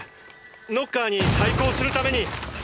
ノッカーに対抗するために。